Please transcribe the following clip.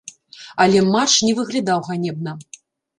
Але матч не выглядаў ганебна.